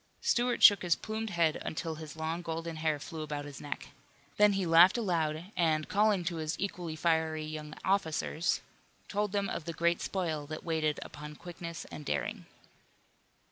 Stuart shook his plumed head until his long golden hair flew about his neck. Then he laughed aloud and calling to his equally fiery young officers, told them of the great spoil that waited upon quickness and daring.